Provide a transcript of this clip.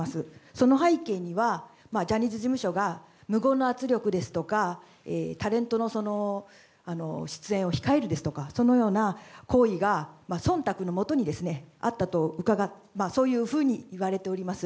その背景には、ジャニーズ事務所が無言の圧力ですとか、タレントの出演を控えるですとか、そのような行為がそんたくのもとにですね、あったと、そういうふうに言われております。